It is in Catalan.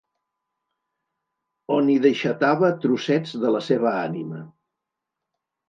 ...on hi deixatava trossets de la seva ànima